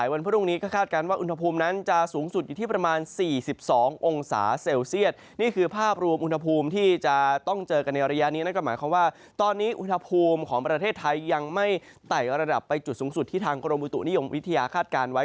วันพรุ่งนี้ก็คาดการณ์ว่าอุณหภูมินั้นจะสูงสุดอยู่ที่ประมาณ๔๒องศาเซลเซียตนี่คือภาพรวมอุณหภูมิที่จะต้องเจอกันในระยะนี้นั่นก็หมายความว่าตอนนี้อุณหภูมิของประเทศไทยยังไม่ไต่ระดับไปจุดสูงสุดที่ทางกรมบุตุนิยมวิทยาคาดการณ์ไว้